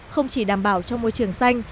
không chỉ đảm bảo cho môi trường xanh